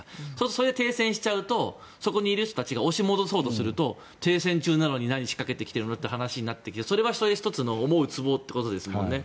そこで停戦しちゃうとそこにいる人たちが押し戻そうとすると停戦中なのに何、仕掛けてきてるのとなってそれはそれで１つの思うつぼということですもんね。